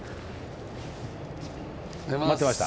待ってました。